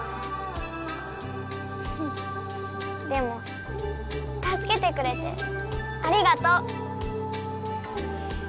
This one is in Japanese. ふふっでもたすけてくれてありがとう。